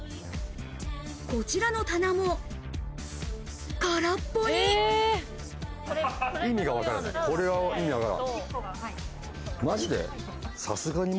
こちらの棚も、空っぽに。